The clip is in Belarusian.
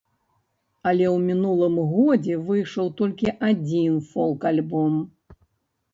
Але ў мінулым годзе выйшаў толькі адзін фолк-альбом.